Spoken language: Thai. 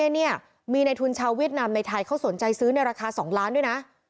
เนี่ยมีในทุนชาวเวียดนามในไทยเขาสนใจซื้อในราคา๒ล้านด้วยนะ